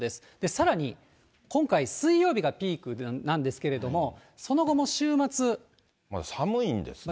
さらに今回、水曜日がピークなんですけれども、寒いんですね。